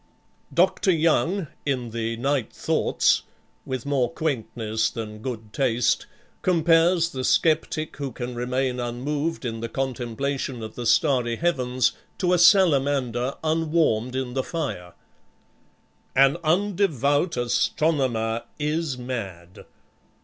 Dr. Young, in the "Night Thoughts," with more quaintness than good taste, compares the sceptic who can remain unmoved in the contemplation of the starry heavens to a salamander unwarmed in the fire: "An undevout astronomer is mad!